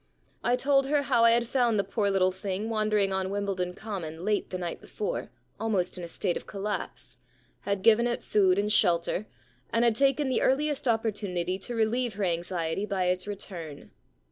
I told her how I had found the poor little thing wandering on Wimbledon Common late the night before almost in a state of collapse, had given it food 57 The Problem Club and shelter, and had taken the earliest oppor tunity to relieve her anxiety by its return.